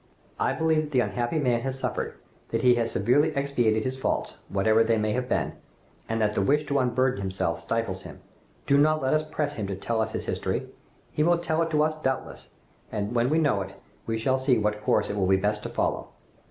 I believe that the unhappy man has suffered, that he has severely expiated his faults, whatever they may have been, and that the wish to unburden himself stifles him. Do not let us press him to tell us his history! He will tell it to us doubtless, and when we know it, we shall see what course it will be best to follow.